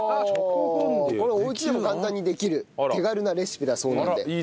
これおうちでも簡単にできる手軽なレシピだそうなんで。